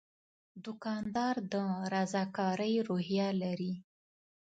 دوکاندار د رضاکارۍ روحیه لري.